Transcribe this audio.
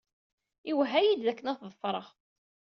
Iwehha-iyi-d akken ad t-ḍefreɣ.